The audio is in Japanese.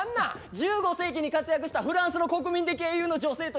１５世紀に活躍したフランスの国民的英雄の女性といえば？